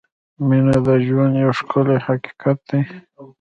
• مینه د ژوند یو ښکلی حقیقت دی.